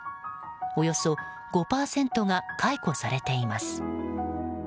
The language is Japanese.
およそ５％が解雇されています。